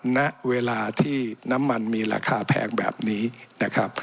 ณเวลาที่น้ำมันมีราคาแพงแบบนี้นะครับ